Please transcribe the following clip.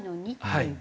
はい。